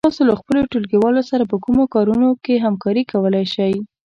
تاسو له خپلو ټولگيوالو سره په کومو کارونو کې همکاري کولای شئ؟